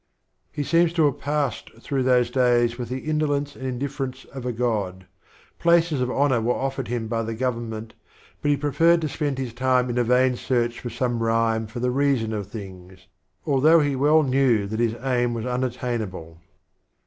He seems to have passed through those days with the indolence and indifference of a god ; places of honor were offered him by the government, but he preferred to spend his time in a vain search for some rhyme for the reason of things, although he well knew that his aim was unattainable.